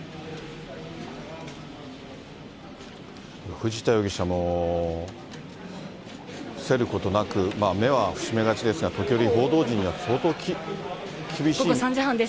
藤田容疑者も伏せることなく、目は伏し目がちですが、時折、午後３時半です。